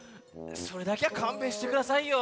それだけはかんべんしてくださいよ。